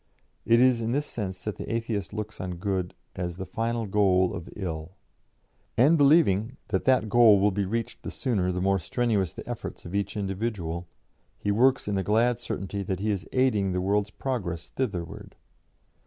It is in this sense that the Atheist looks on good as 'the final goal of ill,' and believing that that goal will be reached the sooner the more strenuous the efforts of each individual, he works in the glad certainty that he is aiding the world's progress thitherward.